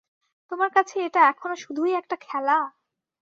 তোমার কাছে এটা এখনো শুধুই একটা খেলা?